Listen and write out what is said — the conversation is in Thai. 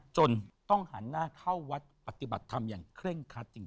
จนต้องหันหน้าเข้าวัดปฏิบัติธรรมอย่างเคร่งคัดจริง